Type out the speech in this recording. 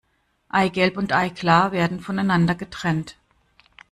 Eigelb und Eiklar werden voneinander getrennt.